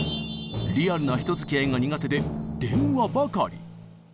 リアルな人づきあいが苦手で電話ばかり。